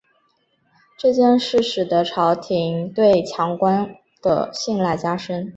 这件事情使得朝廷对久光的信赖加深。